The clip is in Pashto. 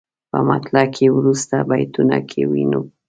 په مطلع کې او وروسته بیتونو کې وینو.